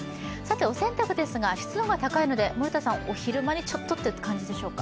お洗濯ですが、湿度が高いのでお昼前ちょっとという感じですか。